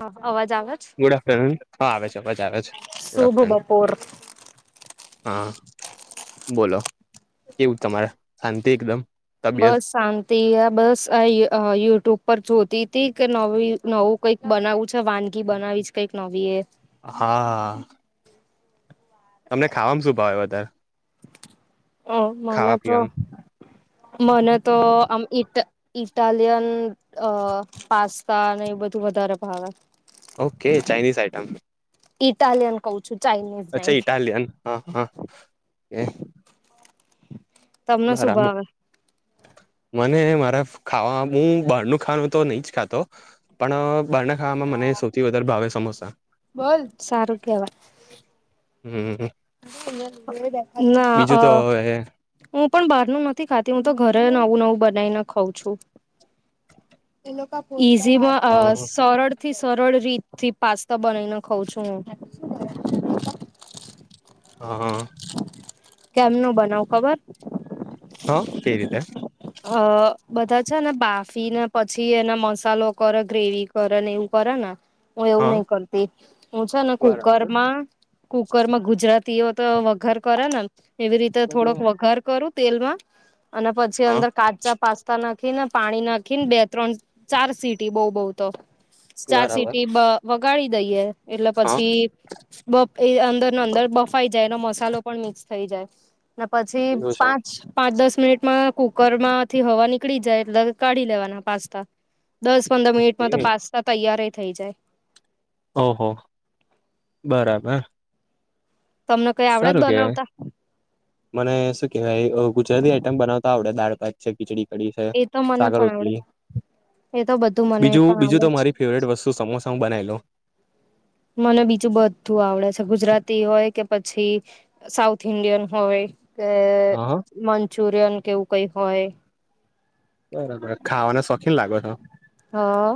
હા અવાજ આવે છે? ગુડ આફ્ટરનૂન હા આવે છે અવાજ આવે છે ગુડ શુભ આફ્ટરનૂન. બપોર. હા. બોલો કેવું તમારે શાંતિ એકદમ? તબિયત બસ શાંતિ આ બસ આ અહ યુટ્યુબ પર જોતી તી કે નવી નવું કઈક બનાવું છે વાનગી બનાવીશ કઈક નવી એ. હા આ. તમને ખાવામાં શું ભાવે વધારે? અહ મને ખાવા તો પીવામાં મને તો આમ ઈટ ઇટાલિયન અહ પાસ્તા ને એ બધું વધારે ભાવે. Okay Chinese item. ઇટાલીયન કઉ છું, ચાઈનિઝ અચ્છા નહી. ઇટાલિયન હા હા તમને શું બરાબો. ભાવે? મને મારા ખાવા હું બહાર ન ખાવાનું તો નહી જ ખાતો. પણ અહ બહારના ખાવામાં મને સૌથી વધારે ભાવે સમોસા. બોજ સારું કેવાય. હમ્મ. [unintelligible] ના તો અહ હવે હું પણ બહારનું નથી ખાતી હું તો ઘરે નવું નવું બનાઈ ને ખઉં છું. ઇસી બો અહ હા સરળ થી સરળ રીતથી પાસ્તા બનાવીને ખઉં છું હું. હા, હા. કેમનું બનાવુ ખબર? હ, કઈ રીતે? અહ બધા છે ને બાફી ને પછી એનો મસાલો કરે ગ્રેવી કરે ને એવું કરે ને હું એવું હા નહી કરતી હું છે ને બરાબર કુકરમાં કુકર માં ગુજરાતીઓ તો વઘાર કરે ને એવી રીતે થોડોક વઘાર કરું તેલમાં અને પછી હા અંદર કાચા પાસ્તા નાખી ને પાણી નાખી ને બે ત્રણ ચાર સીટી બહુ બહ તો સ્ટાર બરાબર સિટી વગાડી દઈયે એટલે હા પછી બફ એ અંદર ન અંદર બફાઈ જાય એનો મસાલો પણ મિક્સ થઈ જાય પછી એવું પાંચ પાંચ દસ મિનિટમાં કુક કુકર માંથી હવા નીકળી જાય એટલે કાઢી લેવાના પાસ્તા દસ પંદર મિનિટમાં છે તો પાસ્તા તૈયાર થઇ જાય ઓહો બરાબર તમને કઈ આવડે જ સારું કેવાય બનાવતા મને શું કેવાય ગુજરાતી આઈટમ બનાવતા આવડે દાળ ભાત છે ખીચડી એ તો મને સાકર પણ આવડે રોટલી એ તો બધું મને બીજું પણ બીજું આવડે તો જ મારી ફેવરેટ વસ્તુ સમોસા બનાવી લઉ મને બીજું બધું આવડે છે ગુજરાતી હોય કે પછી સાઉથ ઇન્ડિયન હોય કે હ હ મંચુરિયન કેવું કઈ હોય બરાબર ખાવાને શોખીન લાગો છો હા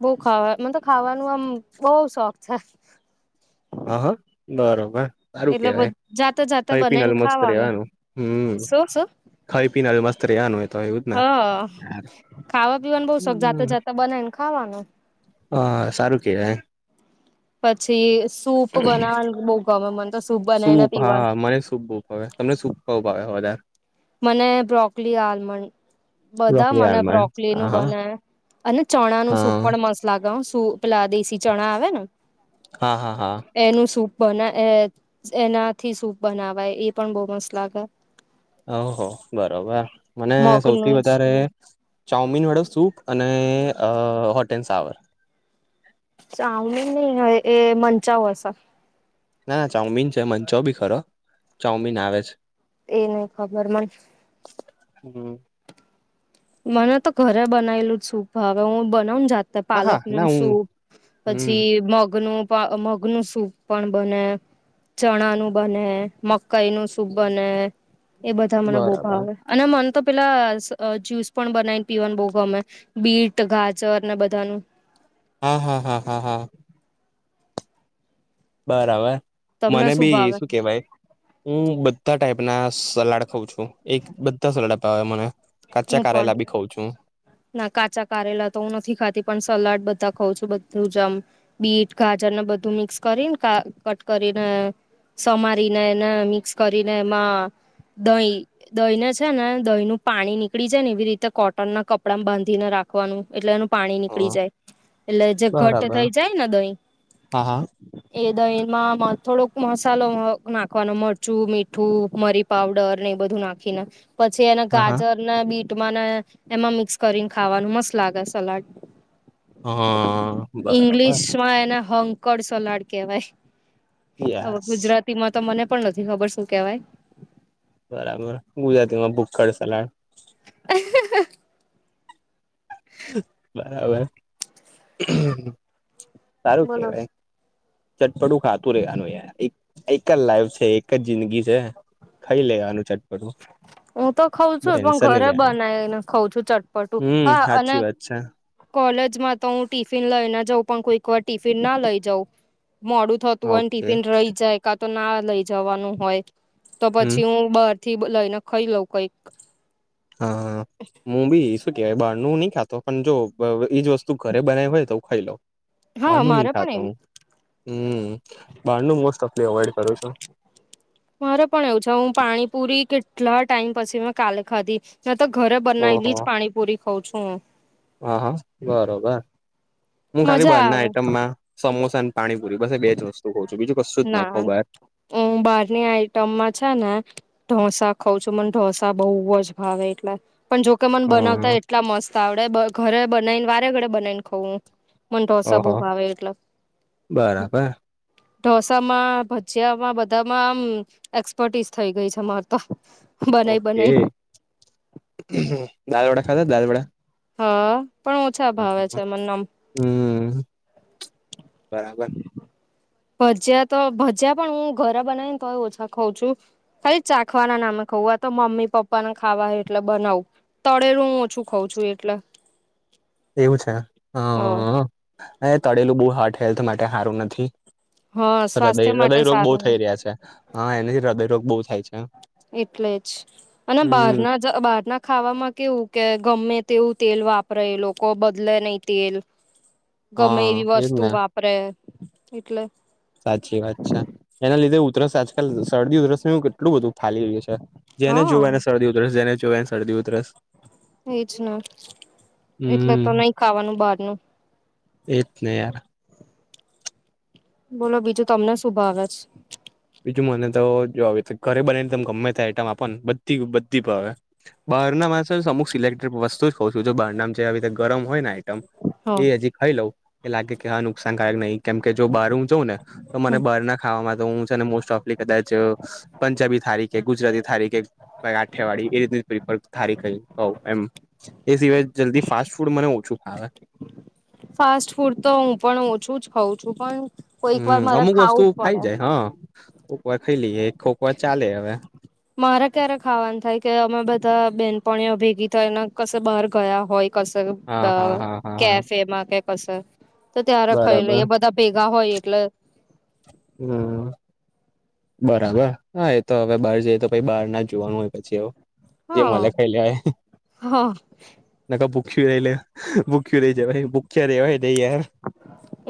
બહ ખાવા મ તો ખાવાનું આમ બહ શોખ છે હા હા બરોબર સારું એટલે કેવાય જાતે જાતે ખાઈ બનાવીને પિયેને મસ્ત ખાવાનું રેવાનું હમ્મ શું શું ખાઈ પીના મસ્ત રહ્યાનું હ ખાવા પીવાનું બહ શોખ જાતે હમ, જાતે બનાય ને ખાવાનું હ સારું કેવાય પછી સૂપ બનાવાનું બહુ ગમે મને તો સૂપ બનાવીને પીવા મને સુપ બહુ હવે તમને શું ખાવ ભાવે વધારે મને બ્રોકલી આલમંડ બધા બ્રોકલી મને આલમંડ બ્રોકલી નું હા હા બને અને ચણા નું હા સુપડ મસ્ત લાવ શું પેલા દેશી ચણા આવે ને હા હા હા એનું સૂપ બના એનાથી સૂપ બનાવાય એ પણ બહુ મસ્ત લાગે ઓહ બરોબર મને સૌથી મગનું વધારે સૂપ ચાઉમીન વડો સૂપ અને હોટ એન્ડ સાવર સાવણી નહીં હોયે એ મનચાઉ હશે ના ના ચાઉમીન છે મનચાઉ બી ખરો ચાઉમીન આવે છે એ નહ ખબર મળ હમ્મ મને તો ઘરે બનાયલું જ સુખ હવે હું બનાવને જા હા હા પાલક ના નું હું સૂપ હમ પછી મગનું મગ નું સૂપ પણ બને ચણા નું બને મકાઈ નું સૂપ બને એ બધા મને બહુ બરાબર ભાવ આવે અને મને તો પેલા જ્યુસ પણ બનાવીને પીવાનું બહુ ગમે બીટ ગાજર ને બધાનું હા હા હા હા હા બરાબર તમને મને બી ભાવે શું કેવાય હું બધા ટાઈપ ના સલાડ ખઉં છું એક બધા સોડ મને કાચા હું પણ કરારેલા બી ખઉ છું ના કાચા કારેલા તો હું નથી ખાતી પણ સલાડ બધા ખઉં છું બધું જ આમ બીટ ગાજરને બધું મિક્સ કરીને કટ કરીને સમારીને એને મિક્સ કરીને એમાં દહીં દહીને છે ને દહીં નું પાણી ની નીકળી જાય ને એવી રીતે કોટન ના કપડા બાંધીને રાખવાનું એટલે એનું પાણી હ નીકળી જાય એટલે જે ઘટ બરાબર થઈ જાયને દહીં હા હા એ દહીમાં થોડોક મસાલો નાખવાનો મરચું મીઠું મરી પાવડર ને એ બધું નાખીને પછી એને હા હા ગાજર ના બીટમાંને એમાં મિક્સ કરીને ખાવાનું મસ્ત લાગે સલાડ. હા બરાબર ઈંગ્લિશ માં એને હોંકડ સોલાડ કેવાય. હવે યસ ગુજરાતીમાં તો મને પણ નથી ખબર શું કેવાય. બરાબર ગુજરાતીમાં ભૂખખડ સલાડ. અહ હ. બરાબર સારું બોલો કેવાય ચટપટું ખાતું રેવાનું યાર એક જ લાઈફ છે એક જ જિંદગી છે. ખાઈ લેવાનું ચટપટું. હું તો ખઉં બો છું પણ ટેન્શન નહી ઘરે લેવાનું બનાવીને ખઉં છું ચટપટું હમ હા અને સાચી વાત છે કોલેજમાં તો હું ટિફિન લઈ ના જાઉં પણ કોઈક વાર ટીફિન ના લઈ જાઉં મોડું થતું હોય ઓકે ટિફિન રહી જાય કા તો ના લઈ જવાનું હોય તો હમ પછી હું બ થી લઈને ખાઈ લોઉ કઈ. હા હું બી શું કેહેવાય બહાર નું નહી ખાતો પણ જો એઈજ વસ્તુ ઘરે બનાવી હોય તો ખાઈ લઉ. બાર હા નહી મારે ખાતો પણ એવું હું હ બ મો ઓફ અવોઈડ કરું છું. મારે પણ એવું છે હું પાણી પુરી કેટલા ટાઈમ પછી કાલે ખાધી. ના તો ઘરે બનાયલી જ પાણીપુરી ખઉં છું હું. હ હા બરોબર હું ખાલી મજા બરના આવે આઈટમમાં સમોસા અને પાણીપુરી બ બે જ વસ્તુ તો બીું [unintelligible] ના હ બહારની આઈટમમાં છે ને ઢોસા ખઉં છું મને ઢોસા બઉુ જ ભાવે એટલે પણ જોકે મને હ બનાવતા એટલા મસ્ત આવડે ઘરે બનાવીને વારે ઘડે બનાવીને ખઉું મ ોસા ઓહો બહુ ભાવે એટલે બરાબર ઢોસામાં ભજીયામાં બધામાં આમ એક્સપર્ટીસ થઇ ગઈ છે માર તો બનાવી ઓકે બનાવી દાલ વડા ખાધા દાલ વડા હા પણ ઓછા ભાવે છે મમ બરાબર ભજીયા તો ભજીયા પણ હું ઘરા બનાવી ને તોય ઓછા ખઉં છું ખાલી ચાખવાના નામે ખવું આ તો મમ્મી પપ્પાને ખાવા એટલે બનાવું તળેલું હું ઓછું ખઉં છું એટલે [inaudible] એવું છે હ હ એ તળેલું બહ હાર્ટ હેલ્થ માટે સારું નથી હા હૃદય સ્વાસ્થ્ય માટે હૃદયરોગ બહુ સારું ને થઈ રહ્યા છે હા એનાથી હૃદયરોગ બહુ થાય છે એટલે જ અને બહાર હમ ના જ બહાર ના ખામાં કેવું કે ગમે તેવું તેલ વાપરે લોકો બદલે નહી તેલ [inaudible] ગમે એવી એજ વસ્તુ ને વાપરે એટલે સાચી વાત છે એના લીધે ઉધરસ આજકાલ શરદી ઉધરસ કેટલું બધું ફાલી રહય છે જેને જો હા એને શરદી ઉધરસ જેને જો એને શરદી ઉરસ એજ ના એટલે તો હમ નઈ ખાવાનું બહાર ન એતને યાર બોલો બીજું તમને શુ ભઆવે છે બીજું મને તો જોવે ઘરે બનાને ત ગમે ત આઈટમ આપને બધી બધી ભાવે બહારનામાં અમુક સિલેક્ટડ વસ્તુ જ કઉ છું જો બારનામ છે આવી રીતે ગરમ હોય ને હા એ હજી ખાઈ લઉ એ લાગે કે હા નુકસાનકારાયક નહી કેમ કે જો બહાર હું જાઉં ને તો મને હમ બહાર ના ખાવાવામાં તો હું છે ને મોસ્ટ ઓફલી કદાચ પંજાબી થારીખે ગુજરાતી થારીકેે ભાઈ આઠિયાવાડી એ રીત પેપર થારી ક કહ એમ એ સિવાય જલ્દી ફાસ્ટ ફૂડ મને ઓછું ખાવ ફાસ્ટ ફૂડ તો હું પણ ઓછું જ ખઉ છું પણ કોઈક વાર હમ મારે અમુક વસ્તુ ખાવું ખાઈ પડે જાય હા કોકવાર ખાઈ લઈએ એક કોકવાર ચાલે હવે. મારે ક્યારેક ખાવાનું થાય કે અમે બધા બેનપણીઓ ભેગી થાય ને કશે બહાર ગયા હોય કસ હા હા હા હા હા કેફેમાં કે કશે તો ત્યારે ખાઈ બરાબર લઈએ બધા ભેગા હોય એટલે હમ બરાબર હા એ તો હવે બહાર જઈએ તો પછી બહાર ના જ જોવાનું હોય પછી એવું જે હા મલા ખાઈલેઆય- હા નાખ ભૂખી રહી લ ભૂખું રહી જ ભૂખ્યા રવા યાર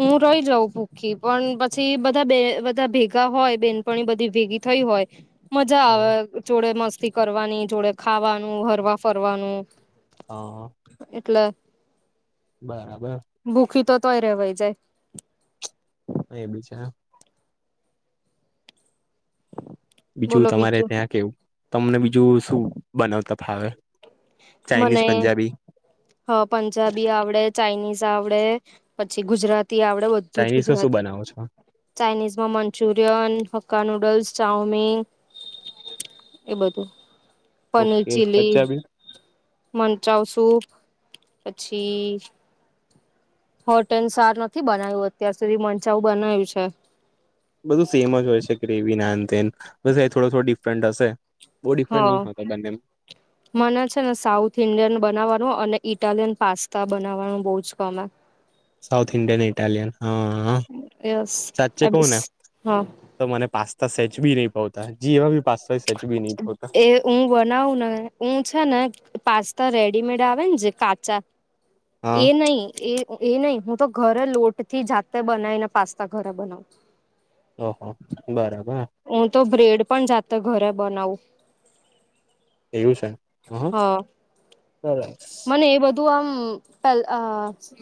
હું રહી જાઉં ભૂખી પણ પછી બધા બે બધા ભેગા હોય બેનપણી બધી ભેગી થઈ હોય મજા હા આવે જોડે મસ્તી કરવાની જોડે ખાવાનું હરવા ફરવાનું હ હ એટલે બરાબર ભૂઃખી તો તોય રહેવાય જાય એ બી છે. બીજું તમારે ત્યાં કેવું તમને બીજું શું બનાવતા ફાવે ચાઇનીઝ મને પંજાબી હ પંજાબી આવડે ચાઇનીઝ આવડે પછી ગુજરાતી આવડે તું જ કુ જ ચાઇનીઝમાં શું વાતે બનાવો છો ચાઇનીઝ માં મંચુરિયન હક્કા નુડલ્સ ચાઉમીન એ બધું paneer okay chilli Punjabi મનચાવ soup પછી હોટ એન્ સાર નથી બનાવ્યું અત્યાર સુધી મંચાઉું બનાવ્યું છે. બધું સેમ જ હોય છે ગ્રેવી નાન એ થોડો થોડો ડિફરન્ટ હશે બહ હ ડિફરન્ટ નહી હોતા ડમે મને છે ને સાઉથ ઈન્ડિયન બનાવવાનું અને ઇટાલિયન પાસ્તા બનાવવાનું બહુ જ કમે સાઉથ ઇન્ડિયન ઇટાલિયન હા યસ સાચચે કોણ હ હા તો મને પાસ્તા સેચ બી નહી પાવતા જેવા બી પાસ્તા હોય સેચ બી નહી પાવતા એ હું બનાવું ને હું છે ને પાસ્તા રેડીમેડ આવે ને જે કાચા હા એ નહ એ એ નહી હું તો ઘરે લોટ થી જાતે બનાવીને પાસ્તા ઘરે બનાવું ઓહો બરાબર હું તો બ્રેડ પણ જાતો ઘરે બનાવું એવું છે હ હા હ ચ એ બધું આમ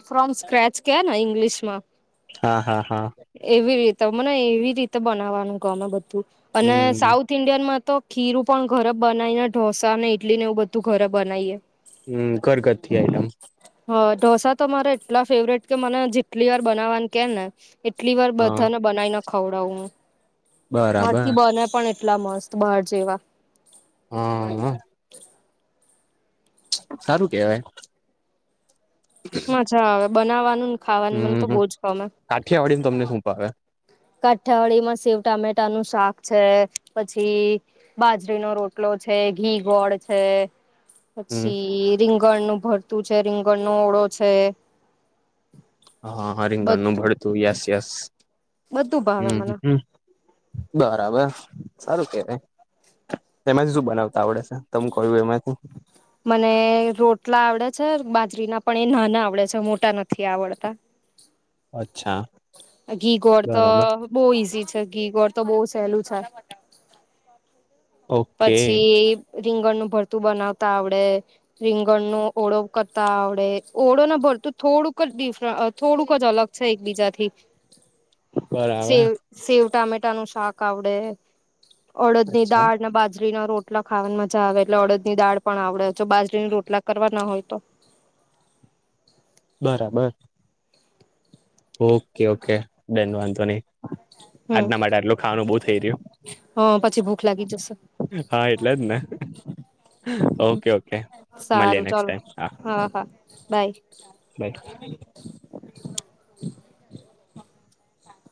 ફ્રોમ સ્ક્રેચ કે ને ઈંગ્લિશ માં હા હા હા એવી રીતે મને એવી રીતે બનાવવાનું ગમે બધું અને હમ સાઉથ થ ઈન્ડિયનમાં તો ખીરું પણ ઘરે બનાવી ને ઢોસા ને ઇટલી ને એવું બધું ઘરે બનાવીએ હમ કરગથથી આઈટમ હ ઢોસા તો મારે એટલા ફેવરેટ કે મને જેટલી વાર બનાવવાને કે ને એટલી વાર હા બધાને બનાવીને ખવડાવું હું બરાબર મરચી બને પણ એટલા મસ્ત બહાર જેવા હા સારું કેવાય મજા આવેવે બનાવવાનું ને ખાવાનું મને તો બહુ જ ગમે કાઠિયાવાડીનેમને શુંપાવે કાઠીયાવાડી માં શેવ ટામેટા નું શાક છે પછી બાજરીનો રોટલો છે ઘી, ગોળ છે. હમ પછી રીંગણનું ભરતું છે, રીંગણ નો ઓળો છે. હા હા રિંગણ નું બધું ભરતું યસ યસ. બધું ભાવે હમ મને. હમ બરાબર સારું કેવાય. તેમાંથી શું બનાવતા આવડે છે? તમ કહ્યું એમાંથી. મને રોટલા આવડે છે બાજરીના પણ એ નાના આવડે છે, મોટા નથી આવડતા. [inaudible] ઘી, ગોળ તો બરાબર બો ઈઝી છે. ઘી, ગોળ તો બો સહેલું છે. ઓકે પછી રીંગણનું ભરતું બનાવતા આવડે. રીંગણ નો ઓળો કરતા આવડે ઓળો ને ભરતું થોડુંક જ ડિફરટ થોડુંક જ અલગ છે એકબીજા થી [unintelligible] બરાબર સેવ, સેવ ટામેટા નું શાક આવડે. અડદ ની અચ્છા દાળ ને બાજરી ના રોટલા ખાવાની મજા આવે એટલે અડદની દાળ પણ આવડે જો બાજરીની રોટલા કરવા ના હોય તો બરાબર. ઓકે ઓકે કય વાધો ની. આજના માટે આટલું ખાવાનું બો થઈ રહ્યું. હા પછી ભૂખ લાગી જશે. હા એટલે જ ને. ઓકે ઓકે મલ્યે સારું નેકસટ ચાલો ટાઈમ હા. હા હા. બાય. બાય